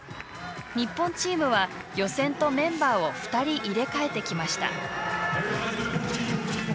日本チームは予選とメンバーを２人入れ替えてきました。